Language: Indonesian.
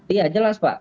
iya jelas pak